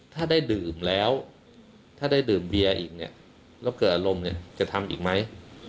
ถ้าได้ดื่มแล้วถ้าได้ดื่มเวียอีกแล้วก็อารมณ์จะทำอีกไหม